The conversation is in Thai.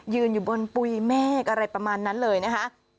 อยู่บนปุ๋ยเมฆอะไรประมาณนั้นเลยนะคะ